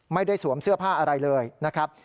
สวมเสื้อผ้าอะไรเลยนะครับ